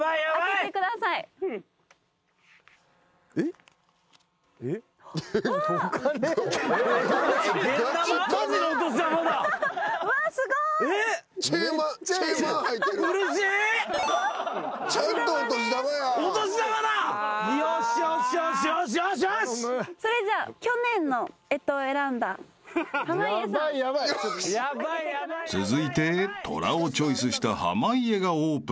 ［続いて寅をチョイスした濱家がオープン］